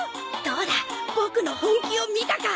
どうだボクの本気を見たか！